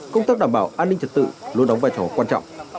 công tác đảm bảo an ninh trật tự luôn đóng vai trò quan trọng